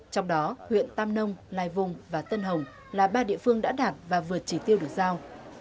trong đó huyện tam nông lai vùng và tân hồng là ba địa phương đã đạt và vượt chỉ tiêu được giao